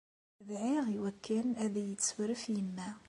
Dɛiɣ i wakken ad iyi-tessuref yemma.